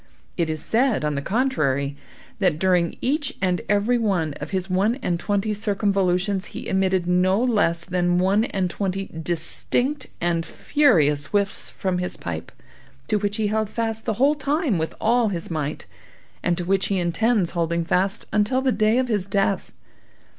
It is said, on the contrary, that during each and every one of his one and twenty circumvolutions he emitted no less than one and twenty distinct and furious whiffs from his pipe, to which he held fast the whole time with all his might, and to which he intends holding fast until the day of his death.